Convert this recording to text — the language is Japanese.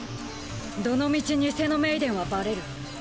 どのみち偽のメイデンはバレる。